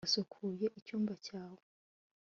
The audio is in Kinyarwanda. wasukuye icyumba cyawe